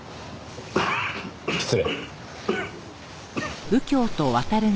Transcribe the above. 失礼。